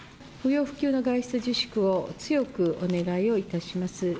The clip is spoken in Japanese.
不要不急の外出自粛を強くお願いをいたします。